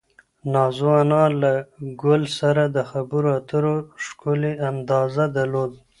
نازو انا له ګل سره د خبرو اترو ښکلی انداز درلود.